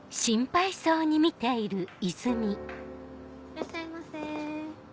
いらっしゃいませ。